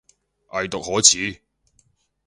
偽毒可恥